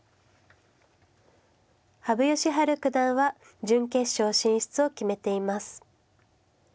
羽生善治九段は準決勝進出を決めています。